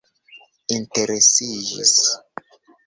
interesiĝis